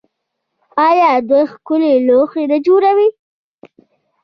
آیا دوی ښکلي لوښي نه جوړوي؟